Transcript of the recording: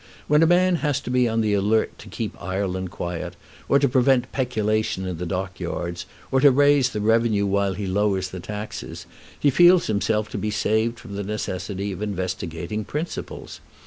When a man has to be on the alert to keep Ireland quiet, or to prevent peculation in the dockyards, or to raise the revenue while he lowers the taxes, he feels himself to be saved from the necessity of investigating principles.